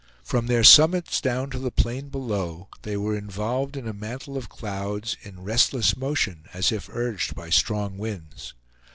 From their summits down to the plain below they were involved in a mantle of clouds, in restless motion, as if urged by strong winds.